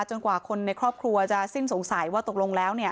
กว่าคนในครอบครัวจะสิ้นสงสัยว่าตกลงแล้วเนี่ย